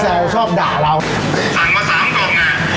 ถังมา๓กลมแล้วเห็นไม่ได้ไป๒กลมอีกก็มองอยู่ด้วย